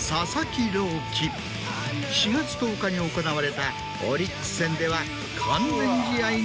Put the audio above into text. ４月１０日に行われたオリックス戦では。